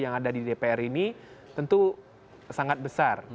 yang ada di dpr ini tentu sangat besar